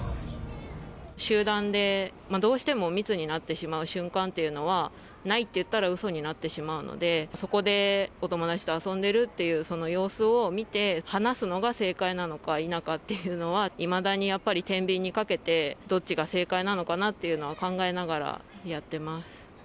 集団で、どうしても密になってしまう瞬間というのは、ないと言ったらうそになってしまうので、そこでお友達と遊んでいるっていう様子を見て、離すのが正解なのか否かっていうのは、いまだにやっぱりてんびんにかけて、どっちが正解なのかなっていうのは考えながらやってます。